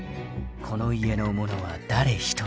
［この家の者は誰一人］